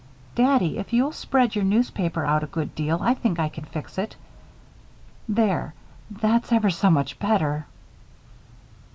"Daddy, if you'll spread your newspaper out a good deal, I think I can fix it. There! That's ever so much better."